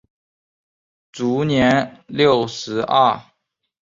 卒年六十二。